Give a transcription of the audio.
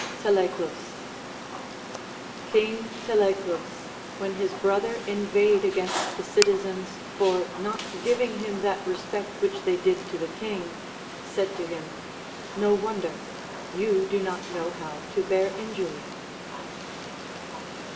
Teleclus. King Teleclus, when his brother inveighed against the citizens for not giving him that respect which they did to the king, said to him, No wonder, you do not know how to bear injury.